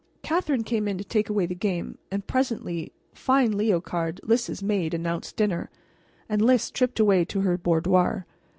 Catherine came in to take away the game, and presently 'Fine Lelocard, Lys's maid, announced dinner, and Lys tripped away to her boudoir.